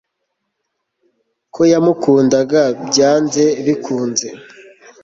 ko yamukundaga byanze bikunze